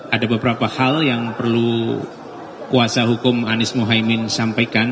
ada beberapa hal yang perlu kuasa hukum anies mohaimin sampaikan